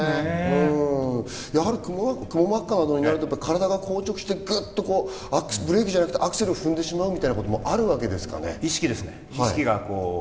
くも膜下などになると体が硬直してブレーキじゃなくてアクセルを踏んでしまうみたいなこともあるわけですからね。